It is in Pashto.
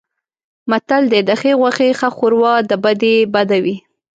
متل دی: د ښې غوښې ښه شوروا د بدې بده وي.